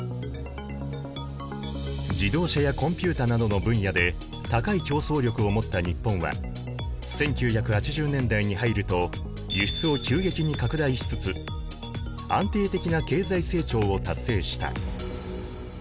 自動車やコンピューターなどの分野で高い競争力を持った日本は１９８０年代に入ると輸出を急激に拡大しつつ安定的な経済成長を達成した。